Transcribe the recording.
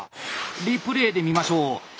リプレーで見ましょう。